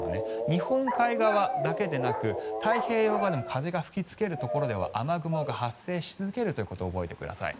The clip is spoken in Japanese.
日本海側だけでなく太平洋側でも風が吹きつけるところでは雨雲が発生し続けると覚えてください。